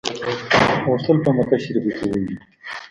غوښتل په مکه شریفه کې وویني.